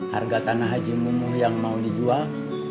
harga tanah haji munuh yang mau dijual